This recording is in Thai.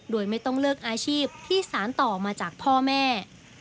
โดยไม่ต้องเลิกอาชีพที่สารต่อมาจากพ่อแม่